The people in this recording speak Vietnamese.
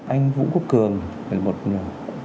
anh vũ quốc cường